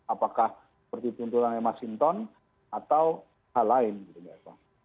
apakah seperti tuntutan dari mas hinton atau hal lain gitu mbak eva